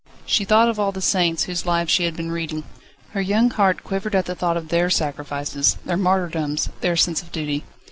She thought of all the saints, whose lives she had been reading. Her young heart quivered at the thought of their sacrifices, their martyrdoms, their sense of duty.